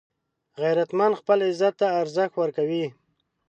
غیرتمند خپل عزت ته ارزښت ورکوي